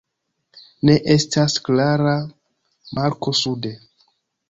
Ne estas klara marko sude.